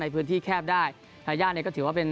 ในพื้นที่แคบได้เช่นอย่างนี้ก็ถือว่าเป็น